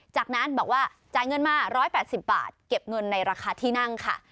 จากนั้นบอกว่าจ่ายเงินมา๑๘๐บาทเก็บเงินในราคาที่นั่งค่ะ